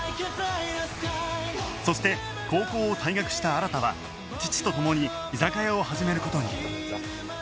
そして高校を退学した新は父と共に居酒屋を始める事に